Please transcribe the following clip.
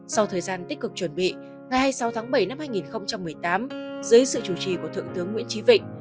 sau thời gian tích cực chuẩn bị ngày hai mươi sáu tháng bảy năm hai nghìn một mươi tám dưới sự chủ trì của thượng tướng nguyễn trí vịnh